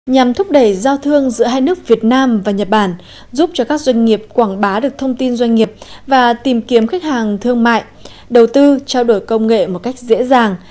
nhằm thúc đẩy giao thương giữa hai nước việt nam và nhật bản giúp cho các doanh nghiệp quảng bá được thông tin doanh nghiệp và tìm kiếm khách hàng thương mại đầu tư trao đổi công nghệ một cách dễ dàng